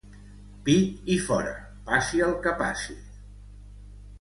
«Pit i fora, passi el que passi».